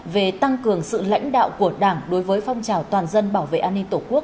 về tăng cường sự lãnh đạo của đảng đối với phong trào toàn dân bảo vệ an ninh tổ quốc